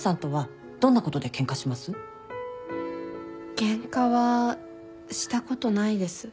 ケンカはしたことないです。